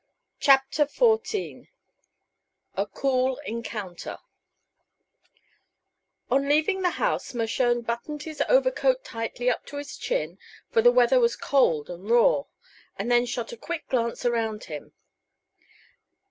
CHAPTER XIV A COOL ENCOUNTER On leaving the house Mershone buttoned his overcoat tightly up to his chin, for the weather was cold and raw, and then shot a quick glance around him.